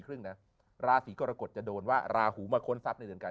ครึ่งนะราศีกรกฎจะโดนว่าราหูมาค้นทรัพย์ในเดือนการ